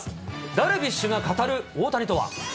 ダルビッシュが語る大谷とは。